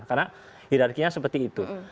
karena hierarkinya seperti itu